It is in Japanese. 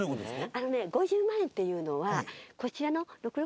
あのね５０万円っていうのはこちらのだから。